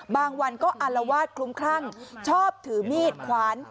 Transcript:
บางวันก็อารวาสคลุ้มคลั่งชอบถือมีดขวาน